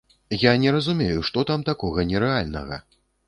Я не разумею, што там такога нерэальнага!